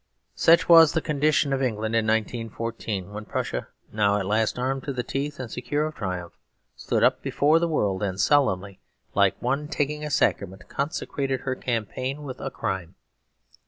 Such was the condition of England in 1914, when Prussia, now at last armed to the teeth and secure of triumph, stood up before the world, and solemnly, like one taking a sacrament, consecrated her campaign with a crime.